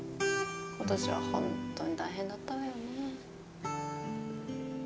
今年は本当に大変だったわよね。